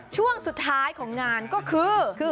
ช่วงสุดท้ายของงานก็คือ